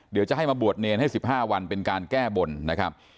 เดี๋ยวจะให้มาบวชเนรให้๑๕วันเป็นการแก้บนนะครับ